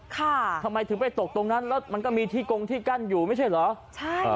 ทำไมถึงไปตกตรงนั้นแล้วมันก็มีที่กงที่กั้นอยู่ไม่ใช่เหรอใช่อ่า